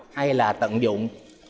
hay là tận dụng